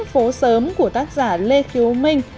phố sớm của tác giả lê kiều minh